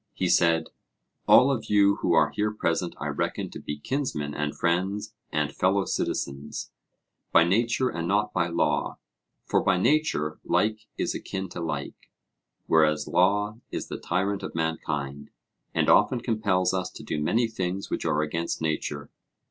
He said: All of you who are here present I reckon to be kinsmen and friends and fellow citizens, by nature and not by law; for by nature like is akin to like, whereas law is the tyrant of mankind, and often compels us to do many things which are against nature.